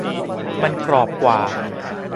มันกรอบกว่า